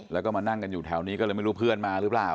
แล้วก็มานั่งกันอยู่แถวนี้ก็เลยไม่รู้เพื่อนมาหรือเปล่า